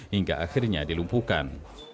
hingga akhirnya dilumpukan